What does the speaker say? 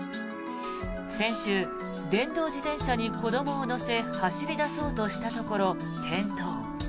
先週、電動自転車に子どもを乗せ走り出そうとしたところ、転倒。